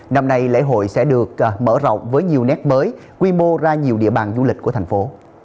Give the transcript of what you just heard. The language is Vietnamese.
năm nay lễ hội sẽ được mở rộng với nhiều nét mới quy mô ra nhiều địa bàn du lịch của thành phố